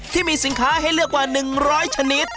ที่มีสินค้าให้เลือกกว่าหนึ่งร้อยชนิด